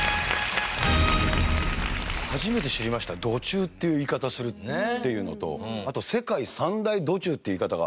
初めて知りました土柱っていう言い方するっていうのとあと世界三大土柱っていう言い方があるんですね。